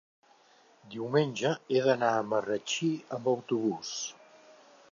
Diumenge he d'anar a Marratxí amb autobús.